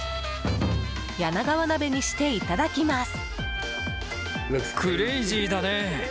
柳川鍋にして、いただきます。